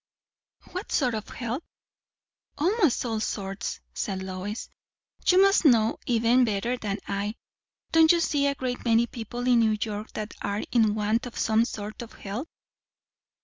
"What sort of help?" "Almost all sorts," said Lois. "You must know even better than I. Don't you see a great many people in New York that are in want of some sort of help?"